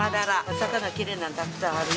魚きれいなのたくさんあるよ。